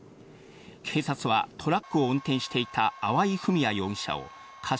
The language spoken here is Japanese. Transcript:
警察は、トラックを運転していた粟井文哉容疑者を過失